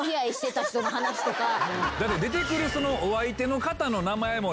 だって出て来るお相手の方の名前も。